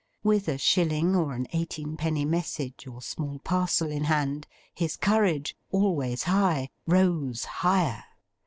With a shilling or an eighteenpenny message or small parcel in hand, his courage always high, rose higher.